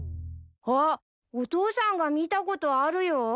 あっお父さんが見たことあるよ。